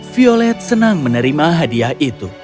violet senang menerima hadiah itu